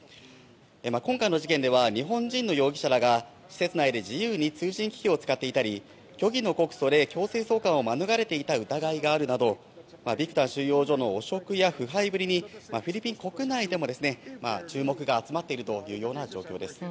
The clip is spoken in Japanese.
今回の事件では日本人の容疑者らが施設内で自由に通信機器を使っていたり虚偽の告訴で強制送還を免れていた疑いがあるなどビクタン収容所の汚職や腐敗ぶりにフィリピン国内でも注目が集まっている状況です。